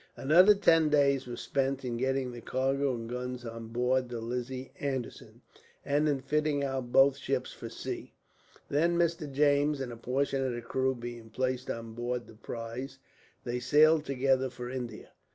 Another ten days were spent in getting the cargo and guns on board the Lizzie Anderson, and in fitting out both ships for sea. Then, Mr. James and a portion of the crew being placed on board the prize, they sailed together for India.